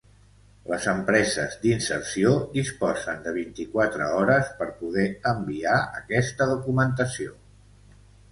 Les empreses d'inserció disposen de vint-i-quatre hores per poder enviar aquesta documentació.